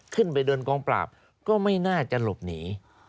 ขึ้นไปเดินกองปราบก็ไม่น่าจะหลบหนี